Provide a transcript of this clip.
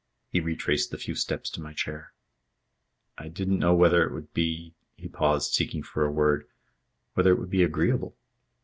He retraced the few steps to my chair. "I didn't know whether it would be " he paused, seeking for a word "whether it would be agreeable."